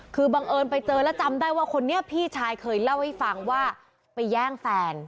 คือบังเอิญไปเจอแล้วจำได้ว่าคนนี้พี่ชายเคยเล่าให้ฟังว่าไปแย่งแฟน